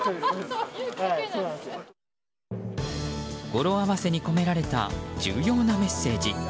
語呂合わせに込められた重要なメッセージ。